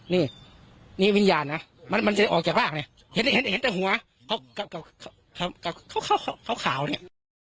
นี่นี่วิญญาณนะมันจะออกจากร่างเนี่ยเห็นแต่หัวกับขาวเนี่ย